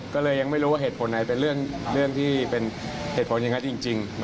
ก็เลยยังไม่รู้ว่าเหตุผลไหนเป็นเรื่องที่เป็นเหตุผลอย่างนั้นจริง